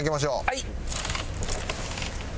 はい。